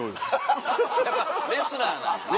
やっぱレスラーなんやね。